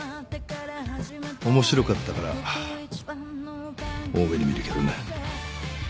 面白かったから大目に見るけどね。